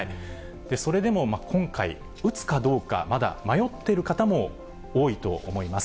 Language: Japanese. それでも今回、打つかどうか、まだ迷っている方も多いと思います。